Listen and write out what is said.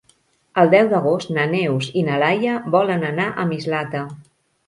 El deu d'agost na Neus i na Laia volen anar a Mislata.